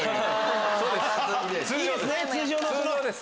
そうです。